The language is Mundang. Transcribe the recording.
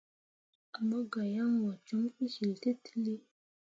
Mo gah yan wo com kǝsyiltǝlli.